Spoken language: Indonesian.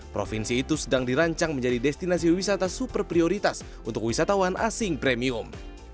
provinsi itu sedang dirancang menjadi destinasi wisata super prioritas untuk wisatawan asing premium